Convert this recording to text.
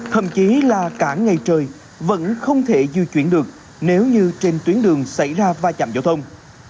thậm chí là cả ngày trời vẫn không thể di chuyển được nếu như trên tuyến đường xảy ra va chạm giao thông